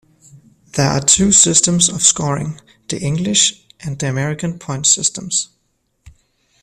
There are two systems of scoring: The English and the American point systems.